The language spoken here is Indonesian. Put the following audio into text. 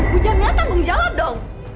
bu jamila tanggung jawab dong